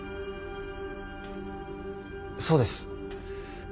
そうです。